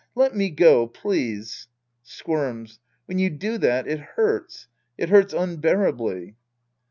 Let me go, please. {Squirms.) When you do that, it hurts, it hurts unbearably.